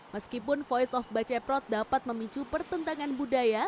meskipun voice of baceprot dapat memicu pertentangan budaya